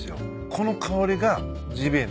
この香りがジビエ。